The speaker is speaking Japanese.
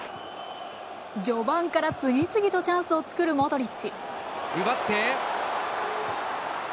序盤から次々とチャンスを作るモドリッチ。